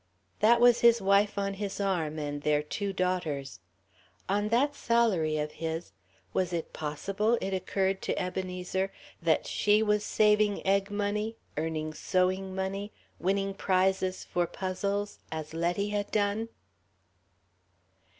That was his wife on his arm, and their two daughters. On that salary of his.... Was it possible, it occurred to Ebenezer, that she was saving egg money, earning sewing money, winning prizes for puzzles as Letty had done?